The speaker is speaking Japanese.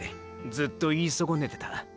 ずっと言い損ねてた。